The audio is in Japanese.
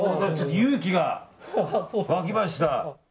勇気が湧きました。